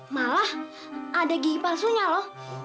malah ada gigi palsunya loh